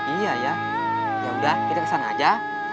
iya ya yaudah kita kesana aja